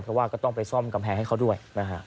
เพราะว่าก็ต้องไปซ่อมกำแพงให้เขาด้วยนะฮะ